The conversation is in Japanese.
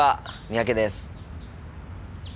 三宅です。